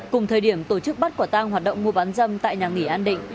cùng thời điểm tổ chức bắt quả tang hoạt động mua bán dâm tại nhà nghỉ an định